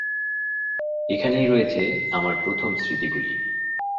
এখানেই রয়েছে আমার প্রথম স্মৃতিগুলি।